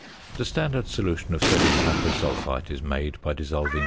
The standard solution of sodium hyposulphite is made by dissolving 41.